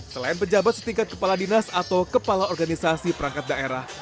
selain pejabat setingkat kepala dinas atau kepala organisasi perangkat daerah